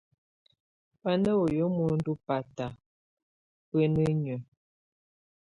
Bá na wéye muendu batak bá nenye.